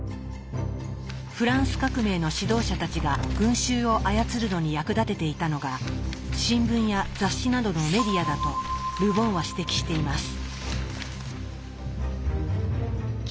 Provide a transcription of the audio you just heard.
フランス革命の指導者たちが群衆を操るのに役立てていたのが新聞や雑誌などのメディアだとル・ボンは指摘しています。